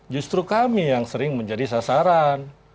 justru kami yang sering menjadi sasaran